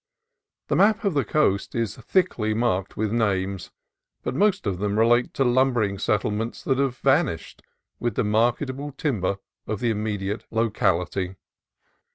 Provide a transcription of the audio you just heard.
The map of the coast is thickly marked with names, but most of them relate to lumbering settlements that have vanished with the marketable timber of the immediate locality.